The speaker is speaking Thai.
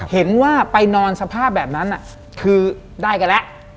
เห็นว่าไปนอนสภาพแบบนั้นคือได้กันแล้ว